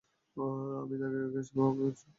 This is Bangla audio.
আমি তাদের গ্যাস ফাঁস সম্পর্কে সতর্ক করেছিলাম।